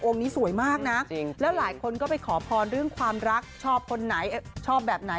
นี้สวยมากนะแล้วหลายคนก็ไปขอพรเรื่องความรักชอบคนไหนชอบแบบไหน